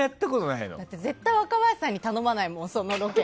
絶対若林さんに頼まないもん